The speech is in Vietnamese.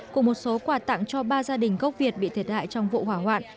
cùng một số quà tặng cho ba gia đình gốc việt bị thiệt hại trong vụ hỏa hoạn